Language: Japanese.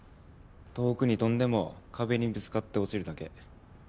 遠くに飛んでも壁にぶつかって落ちるだけ。